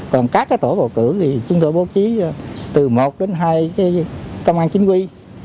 còn các tổ bầu cử thì chúng tôi bố trí từ một đến hai công an chính quy